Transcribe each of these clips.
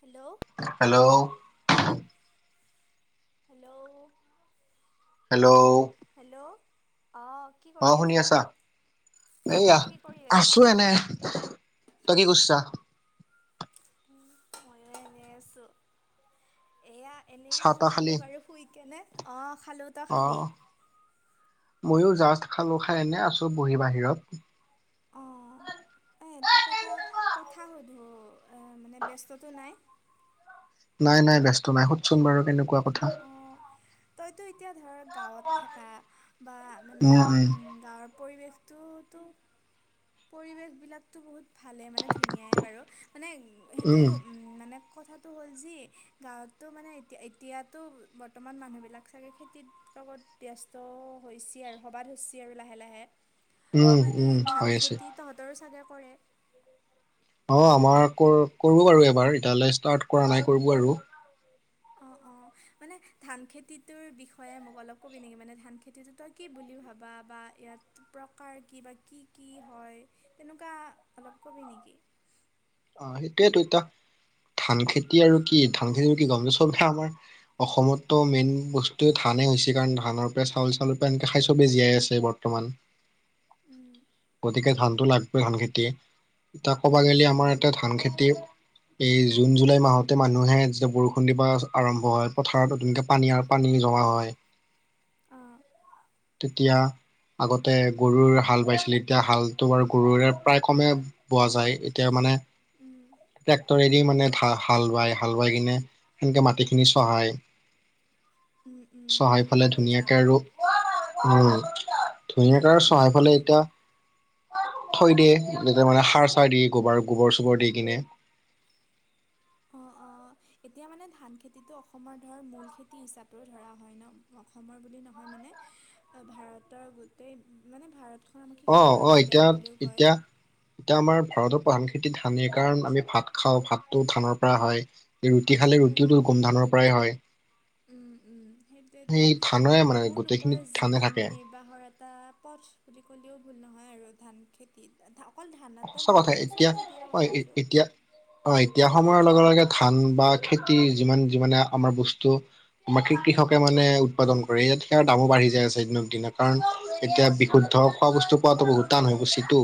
Hello hello hello hello hello অ অহ শুনি আছা, এইয়া অঁ কি কৰি আছা আছো এনে তই কি কৰছা? ময়ো এনে আছোঁ এয়া, এনেই চাহ তাহ আছিলো বাৰু শুই কেনে অহ খালো, অহ মইও জাষ্ট খালো খাই এনে আছো বহী বাহিৰত। অঁ এই তোক এটা কথা সুধো এহ মানে ব্যস্তটো নাই। নাই নাই ব্যস্ত নাই সুধচোন বাৰু কেনেকুৱা কথা। অহ তইতো এতিয়া ধৰ গাঁৱত থাকা বা মানে উম। গাঁৱৰ পৰিৱেশটোতো পৰিৱেশবিলাকতো বহুত ভালেই মানে ধুনীয়াই বাৰু মানে সেইটো উম মানে, কথাটো হ'ল যি গাঁৱততো মানে এতিয়া এতিয়াতো বৰ্তমান মানুহবিলাক চাগে খেতিত। লগত ব্যস্ত হৈছে আৰু হবা ধৰছি আৰু লাহে লাহে। উম তো উম মানে উম ধান হৈ আছে খেতি তহঁতৰো চাগে কৰে। অহ‌ আমাৰ কৰ কৰোঁ বাৰু এবাৰ এতিয়ালৈ ষ্টাৰ্ট কৰা নাই কৰব আৰু অঁহ অহ মানে ধান খেতিটোৰ বিষয়ে মোক অলপ ক'বি নেকি মানে ধান খেতিটো তই, কি বুলি ভাবা বা ইয়াত প্ৰকাৰ কি বা কি কি হয়। তেনেকুৱা অলপ কবি নেকি? অহ সেইটোয়েটো এতিয়া ধান খেতি আৰু কি ধান খেতি আৰু কি গম যে চবে আমাৰ, অসমতো মেইন বস্তুৱে ধানেই হৈছে কাৰণ ধানৰ পৰা চাউল চাউৰ পৰা এনেকে খাই চবে জীয়াই আছে বৰ, বৰ্তমান‌ [inaudible] গতিকে ধানটো লাগবই ধান খেতি এতিয়া ক'বা উম গেলি উম আমাৰ, উম এতিয়া ধান খেতি এই জুন জুলাই মাহতে মানুহে যেতিয়া বৰষুণ দিবা আৰম্ভ হয় পথাৰতো নতুনকে, পানী আৰ পানী জমা হয়। অঁ তেতিয়া আগতে গৰুৰে হাল বাইছিলে এতিয়া হালটো বাৰু গৰুৰে প্ৰায় কমে, বোৱা যায় এতিয়া মানে, উম ট্ৰেক্টৰেদি মানে হাল ৱাই হাল ৱাই কিনে সেনেকে মাটিখিনি চহাই। উম উম ঠিকে কৈছা বাৰু। উ ধুনীয়াকৈ আৰু উম চহাই পেলাই এতিয়া, থৈ দিয়ে যি মানে সাৰ চাৰ দিয়ে গোবৰ গোবৰ চোবৰ দি কিনে। অঁ অঁ এতিয়া মানে ধান খেতিটো অসমৰ ধৰ মূল খেতি হিচাপেও ধৰা হয় ন। অসমৰ বুলি নহয় মানে ভাৰতৰ গোটেই মানে ভাৰত অ অ এতিয়া এতিয়া। এতিয়া আমাৰ ভাৰতৰ প্ৰান খেতি ধানেই কাৰণ আমি ভাত খাওঁ ভাতটো ধানৰ পৰা হয়। এই ৰুটি খালে উম ৰুটিওটো গোমধানৰ পৰাই হয়। উম উম সেইটোৱে টো সেই ধানৰে মানে বহু গোটেইখিনি লোকৰ ধানে জীৱন নিৰ্বা থাকে নিৰ্বাহৰ এটা পথ বুলি ক'লেও ভুল নহয় আৰু ধান খেত তিত অকল ধানতে সঁচা নহয় কথা মানে চব এতিয়া খেতিৰে অ কথা কৈছোঁ। এতিয়া অ' এতিয়া সময়ৰ লগে, লগে ধান বা খেতি যিমান, যিমানে আমাৰ বস্তু বাকী কৃষকে মানে উৎপাদন কৰে, ইয়াত সেয়া দামো বাঢ়ি যায় আছে দিনক দিনা, কাৰণ উম এতিয়া উম বিশুদ্ধ খোৱা বস্তু পোৱাতো বহুত টান হৈ গৈছোঁ টো।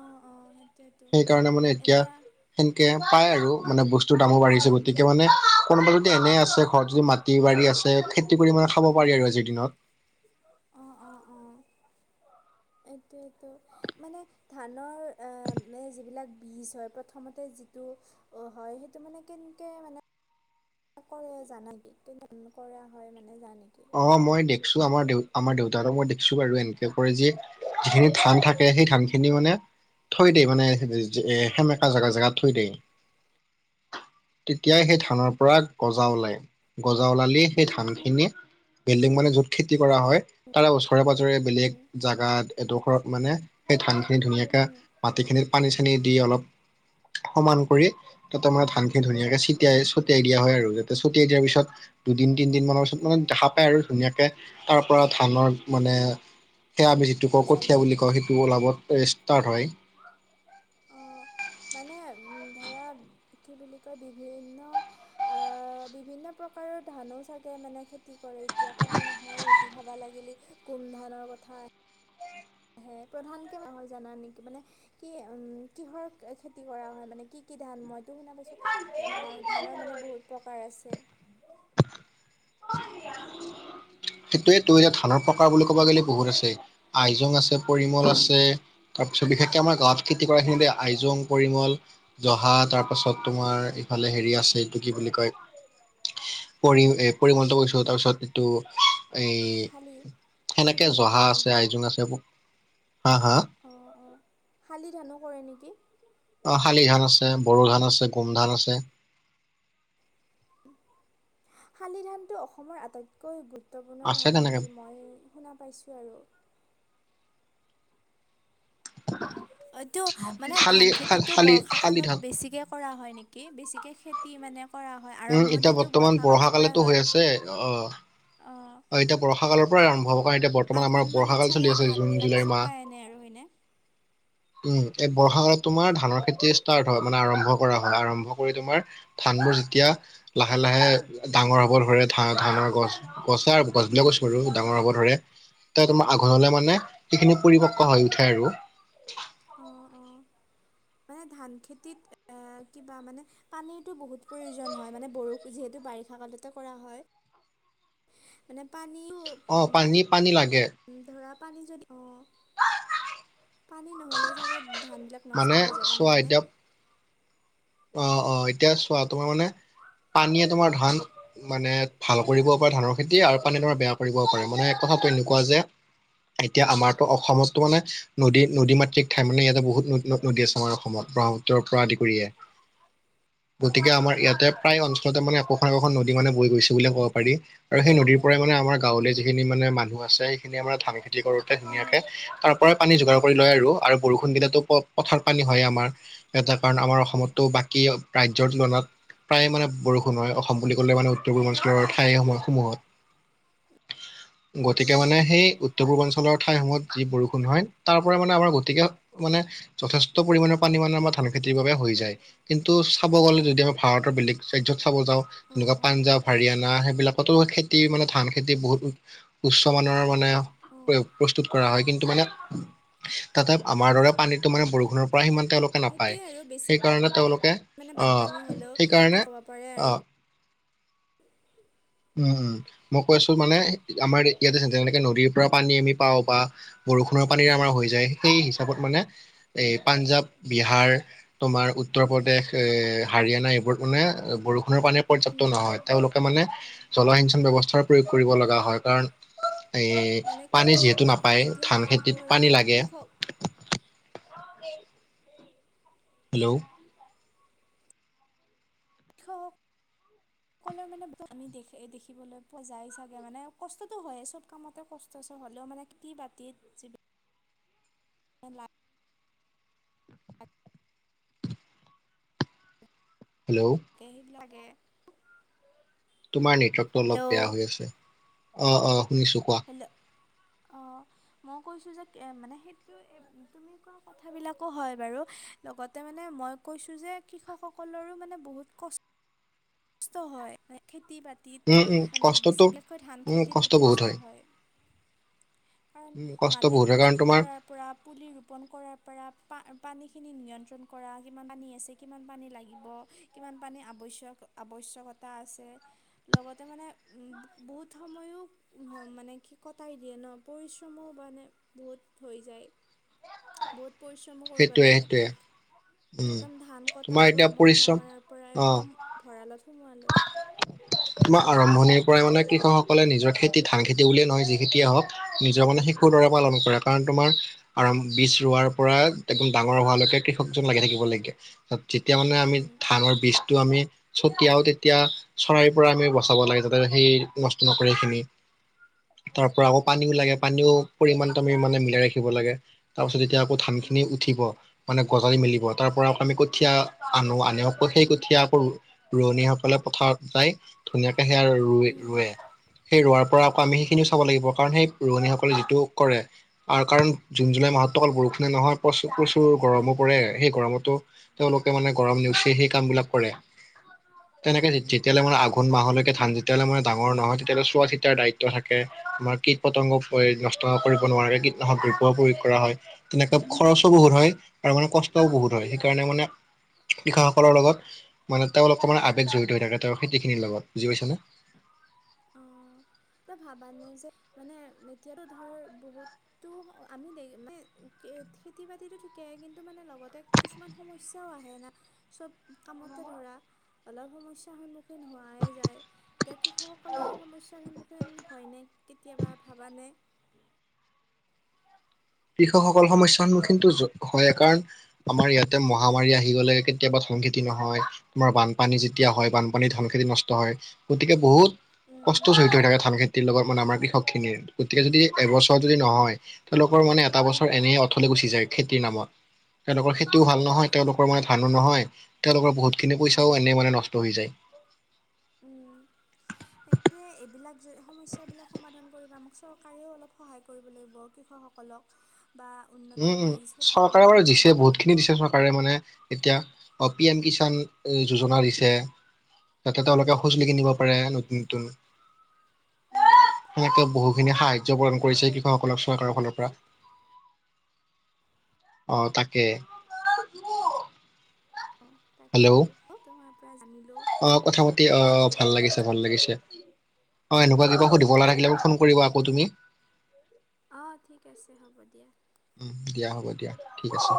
অ', অ' সেই সেইকাৰণে মানে এতিয়া সেনেকে পায় আৰু মানে বস্তুৰ দামো বাঢ়িছে গতিকে মানে কোনোবা যদি এনে আছে ঘৰত যদি মাতি [unintelligible] আছে খেতি কৰি মানে খাব পাৰি অঁ আৰু আজিৰ দিনত। এইটো, এইটো। মানে ধানৰ আ' মানে যিবিলাক বীজ হয়, প্ৰথমতে যিটো অ' হয়, সেইটো মানে কেনেকে মানে কৰে জনা [unintelligible] কৰা হয় মানে জনা নেকি? অ' মই দেখছোঁ আমাৰ দেউ, আমাৰ দেউতা আৰু মই দেখিছোঁ বাৰু, এনেকৈ কৰে যে যিখিনিত ধান থাকে, সেই ধান খিনি মানে থৈ দিয়ে মানে এ' সেমেকা জেগা, জেগাত থৈ দিয়ে। তেতিয়াই সেই ধানৰ পৰা গজা উলাই, গজা উলালেই সেই ধান খিনি বিল্ডিং মানে য'ত খেতি কৰা হয় তাৰে ওচৰে পাজৰে বেলেগ উম, জাগাত এডোখৰত মানে, সেই ধান খিনি ধুনীয়াকে উম, মাটিখিনিত পানী চানী দি অলপ সমান কৰি তাতে মানে ধান খিনি উম, ধুনীয়াকে ছেটিয়াই, ছটিয়াই দিয়া হয় আৰু যাতে ছটিয়াই দিয়াৰ পিছত দুদিন তিনদিন মানৰ পিছত মান অঁ দেখা পায় আৰু ধুনীয়াকে তাৰ পৰা ধানৰ মানে সেয়া আমি যিটো কওঁ গজালি কঠিয়া বুলি ওলায় কওঁ সেইটো তোলাভত এই ষ্টাৰ্ট হয়। অঁ মানে ধৰা কি বুলি কয় বিভিন্ন আ' বিভিন্ন প্ৰকাৰৰ ধানো চাগে মানে খেতি কৰে এতিয়া কলি নহয় আৰু। ৰুটি খাবা লাগিলে কোন ধানৰ কথা আহে, প্ৰধানকে মাহৰ জানা নেকি মানে কি উ'ম কিহৰ খেতি কৰা হয় মানে কি, কি ধান মই টো শুনা পাইছোঁ, ইয়া ধানৰ মানে বহুত প্ৰকাৰ আছে। সেইটোৱেইটো এতিয়া ধানৰ প্ৰকাৰ বুলি ক'ব গ'লে বহুত আছে, আইজং আছে পৰিমল আছে তাৰপিছত বিশেষকে আমাৰ গাঁৱত খেতি কৰা খিনিতে আইজং, পৰিমল জহা তাৰ পাছত তোমাৰ ইফালে হেৰি আছে এইটো কি বুলি কয় পৰি এই পৰিমলটো কৈছোঁ তাৰপিছত এইটো এই শালি শালি সেনেকে ধানো জহা কৰে আছে, নেকি আইজোং আছে [unintelligible] হা, হা অ', অ' শালি ধানো কৰে নেকি? অ' শালি ধান আছে, বড়ো ধান আছে, গোমধান আছে। শালি ধানটো অসমৰ আটাইতকৈ গুৰুত্বপূৰ্ণ আছে ধান তেনেকে বুলি মই শুনা পাইছোঁ আৰু। এইটো মানে শালি ধান খেতিটো শালি শালি বৰ্ষাকালত ধান বেছিকে কৰা হয় নেকি, বেছিকে খেতি মানে কৰা হয় উম এতিয়া আৰম্ভণিটো বৰ্তমান বৰষা বৰ্ষাকালৰ পৰাই কালেতো হৈ হয় আছে অ অ'? অ' এতিয়া বৰ্ষা কালৰ পৰাই আৰম্ভ হ'ব কাৰণ এতিয়া বৰ্ত আঘোণ মানত চাগে ধানবিলাক চপাই আনে আৰু হয়নে? উ'ম এই বৰ্ষা কালত তোমাৰ ধানৰ খেতিয়েই ষ্টাৰ্ট হয় মানে আৰম্ভ কৰা হয়, আৰম্ভ কৰি তোমাৰ ধানবোৰ যেতিয়া লাহে, লাহে ডাঙৰ হব ধৰে ধা-ধানৰ গছ গছা গছবিলাকো উম উম [unintelligible] ডাঙৰ হ'ব ধৰে, এতিয়া তোমাৰ উম আঘোণলে মানে সেইখিনি পৰিপক্ক হৈ উঠে আৰু। অঁ অঁ মানে ধান খেতিত এ কিবা মানে পানীটো বহুত প্ৰয়োজন হয় মানে বষুণ যিহেতু বাৰিষা কালতে কৰা হয়। মানে পানীও অ পানী পানী লাগে। উ ধৰা পানী যদি অ পানী নহলে চাগে ধান বিলাক মানে নষ্ট হৈ যাব চোৱা নহয় নে। এতিয়া অ অ এতিয়া চোৱা তোমাৰ মানে পানীয়ে তোমাৰ ধান মানে ভাল কৰিবও পাৰে ধানৰ খেতি আৰু পানী ধৰা বেয়া কৰিবও পাৰে মানে কথাটো এনেকুৱা যে এতিয়া উম আমাৰতো অসমতো মানে নদী নদী মাতৃক ঠাই মানে ইয়াতে বহুত নদ নদী আছে আমাৰ অসমত ত পৰা আদি কৰিয়ে। গতিকে আমাৰ ইয়াতে প্ৰায় অঞ্চলতে মানে একোখন একোখন নদী মানে বৈ গৈছে বুলি ক'ব পাৰি। আৰু সেই নদীৰ পৰাই মানে আমাৰ গাঁৱলে উম যিখিনি উম মানে মানুহ আছে সেইখিনিয়ে মানে ধান খেতি কৰোতে অঁ ধুনীয়াকে তাৰ পৰাই পানী যোগাৰ কৰি লয় আৰু আৰু বৰষুণ দিলেতো প পথাৰ পানী হয় আমাৰ। এটা কাৰণ আমাৰ অসমতো বাকী ৰাজ্যৰ তুলনাত প্ৰায় মানে বৰষুণ হয় অসম বুলি ক'লে মানে উত্তৰ পূৰ্বাঞ্চলৰ ঠাই সম সমূহত। [unintelligible] গতিকে উম মানে সেই উত্তৰ পূৰ্বাঞ্চলৰ ঠাইসমূহত যি বৰষুণ হয় তাৰ পৰা মানে আমাৰ গতিকে মানে যথেষ্ট পৰিমণৰ পানী মানে আমাৰ ধান খেতিৰ বাবে হৈ যায়। কিন্তু চাব গ'লে যদি আমি ভাৰতৰ বেলেগ ৰাজ্যত চাব যাওঁ অঁ যেনেকুৱা অঁ পাঞ্জাৱ হাৰিয়ানা সেইবিলাক সত খেতি মানে ধান খেতি অঁ বহুত উচ্চ মানৰ মানে অঁ প্ৰ প্ৰস্তুত কৰা হয় কিন্তু মানে তাতে আমাৰ দৰে পানীটো মানে অঁ বৰষুণৰ পৰা সিমান তেওলোক সেইটোৱে আৰু বেছি মানে আহ বানপানী হ'লেও সেইকাৰণে খেতি কৰিব পাৰে আহ আৰু উম উম মই কৈছো মানে আমাৰ ইয়াতে যে যেনেকে নদীৰ পৰা পানী আমি পাওঁ বা বৰষুণৰ পানীৰে আমাৰ উম হৈ যায় সেই হিচাপত মানে এই পাঞ্জাৱ বিহাৰ তোমাৰ উত্তৰ প্ৰদেশ এ হাৰিয়ানা এইবোৰ মানে বৰষুণৰ পানী পৰ্য্যাপ্ তো উম নহয় তেওঁলোকে মানে জলসিঞ্চন ব্যৱস্থাৰ প্ৰয়োগ কৰিব লগা হয় কাৰণ এই মানে পানী খেতি যিহেতু বা- নাপায়ে এতিয়া ধান খেতিত ধৰা পানী লাগে। কৃষক হেল্ল' কলে মানে আমি দেখ দেখিবলৈ পোৱা যায় চাগে মানে কষ্টটো হয় চব কামতে কষ্ ষ্টচ হ'লেও মানে কি খেতি বাতিত অ লা হেল্ল' তাকে সেইবিলাকে তোমাৰ নেটৱৰ্কটো অলপ বেয়া হেল্ল' হৈ আছে অ অ শুনিছো কোৱা। অঁ মই কৈছো যে কে মানে সেইটো এ তুমি কোৱা কথাবিলাকো হয় বাৰু। লগতে মানে মই কৈছো যে কৃষকসকলৰো মানে বহুত কষ্ কষ্ট হয় মানে খেতি বাত খেতিত উম উম মানে বেছি কষ্টটো বিশেষকৈ ধান খেতিত বহুত কষ্ট হয়। কাৰণ উম কষ্ট মাটিত বহুত হয় কাৰণ প্ৰস্তুত তোমাৰ কৰাৰ পৰা পুলি ৰোপণ কৰাৰ পৰা পা পানীখিনি নিয়ন্ত্ৰণ কৰা কিমান পানী আছে কিমান পানী লাগিব কিমান পানীৰ আৱশ্যক আৱশ্যকতা আছে লগতে মানে বহুত বহুত সময়ো [unintelligible] মানে কি কটাই দিয়ে ন পৰিশ্ৰমো মানে বহুত হৈ যায়। বহুত পৰিশ্ৰমো কৰিব সেইটোৱে লাগে। সেইটোৱে উম একদম ধান তোমাৰ কটাৰ এতিয়া পৰা মৰণা পৰিশ্ৰম মৰাৰ পৰা অ একদম ভঁৰালত সুমোৱা লৈ। [inaudible] তোমাৰ আৰম্ভণিৰ পৰাই মানে কৃষকসকলে নিজৰ খেতি ধান খেতি বুলিয়ে নহয় যি খেতিয়েই হওক নিজৰ মানে শিশুৰ দৰে পালন কৰে কাৰণ তোমাৰ আৰু বীজ ৰোৱাৰ পৰা একদম ডাঙৰ হোৱালৈকে কৃষকজন লাগি থাকিব লাগে। যেতিয়া মানে আমি উম ধানৰ বীজটো আমি ছটিয়াও তে তেতিয়া চৰাইৰ পৰা আমি বচাব লাগে যাতে সেই নষ্ট নকৰে সেইখিনি। তাৰ পৰা আকৌ পানীও লাগে উম পানীও পৰিমাণ আমি মানে মিলাই ৰাখিব লাগে। তাৰপিছত এতিয়া আকৌ ধানখিনি উম উঠিব মানে গজালি মেলিব তাৰপৰা আমি কঠীয়া আনো আনি আকৌ সেই কঠীয়া আকৌ ৰোৱনী সক সকলে পথাৰত যায় ধুনীয়াকে সেয়া উম ৰুৱে-ৰুৱে। সেই ৰোৱাৰ পৰা আকৌ আমি সেইখিনিও অঁ চাব লাগিব কাৰণ সেই ৰোৱনীসকলে যিটো কৰে কাৰণ জুন, জুলাই মাহতো অকল বৰষুণে নহয় প্ৰচ প্ৰচুৰ গৰমো পৰে সেই গৰমতো তেওঁলোকে মানে গৰম নেওচি সেই কাম বিলাক কৰে তেনেকে উম তেতিয়ালে মানে আঘো আঘোণ মাহলৈকে ধান যেতিয়ালৈ আমাৰ ডাঙৰ নহয় তেতিয়ালৈ চোৱা চিতাৰ দায়িত্ব থাকে। তোমাৰ কিট পতংগ পৰি নষ্ট কৰিব নোৱাৰে কীটনাশক দ্ৰব্যও প্ৰয়োগ কৰা হয়। তেনেকে খৰচো বহুত হয় আৰু মানে কষ্টও বহুত হয় সেইকাৰণে মানে কৃষক সকলৰ লগত মানে তেওঁ অকমান আবেগ জড়িত হৈ থাকে তেওঁ খেতিখিনিৰ লগত বুজি পাইছে নে। অঁ! ত ভাবা নাই যে মানে এতিয়াতো ধৰ বহুত তো আমি দেৰি মানে খেতি বাতিটো ঠিকে কিন্তু মানে লগতে কিছুমান সমস্যাও আহে না চব কামতে ধৰা। অলপ সমস্যাৰ সন্মুখীন হোৱাই যায় এতিয়া কৃষক সকলেও সমস্যাৰ সন্মুখীন হয় নে কেতিয়াবা ভাৱা নে? কৃষকসকল সমস্যাৰ সন্মুখীনতো হয়ে কাৰণ আমাৰ ইয়াতে মহামাৰী আহি গ'লে কেতিয়াবা ধান খেতি নহয়। তোমাৰ বানপানী যেতিয়া হয় বানপানী ধান খেতি নষ্ট হয়, গতিকে বহুত উম কষ্ট উম জড়িত হৈ থাকে। ধান খেতিৰ লগত মানে আমাৰ কৃষকখিনিৰ গতিকে উম যদি এবছৰ যদি উম নহয় তেওঁলোক তেওঁলোকৰ মানে এটা উম বছৰ এনেই অথলে গুচি যায় খেতিৰ নামত। তেওঁলোকৰ খেতিও ভাল উম নহয় তেওঁলোকৰ মানে ধানো নহয়। তেওঁলোকৰ বহুতখিনি পইচাও অঁ এনেই মানে নষ্ট হৈ যায়। মানে এইবিলাক সমস্যাবিলাক সমাধান কৰিব আমাক চৰকাৰেও অলপ সহায় কৰিব লাগিব কৃষকসকলক। বা উম উন্নত উম বীজ, সঠিক চৰকাৰে বাৰু মূল্য দিছে দিব লাগিব। বহুতখিনি দিছে চৰকাৰে মানে এতিয়া অ পিএম কিষাণ যোজনা দিছে। যাতে তেওঁলোকে উম সঁজুলি কিনিব পাৰে নতুন-নতুন। উম সেনেকে বহুখিনি সাহায্য প্ৰদান সেইটোৱে কৰিছে আৰু কৃষকসকলক চৰকাৰৰ ফালৰ পৰা। অঁ! তাকে। অঁ তাকে আৰু তোমাৰ পৰা জানিলোঁ। অঁ! কথা পাতি অ দিয়া তেন্তে ভাল লাগিছে, ৰাখিছোঁ ভাল লাগিছে। অ এনেকুৱা কিবা সুধো লগা থাকে ফোন ৰাখিছোঁ কৰিবা আকৌ তুমি। অঁ! ঠিক আছে হ'ব দিয়া। উম, দিয়া হ'ব দিয়া ঠিক আছে।